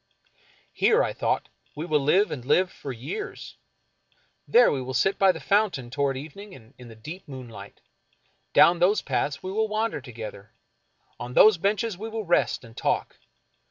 Here, I thought, we will live and live for years. There we will sit by the fountain toward evening and in the deep moonlight. Down those paths we will wander together. On those benches we will rest and talk.